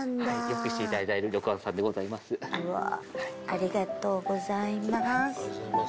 ありがとうございます。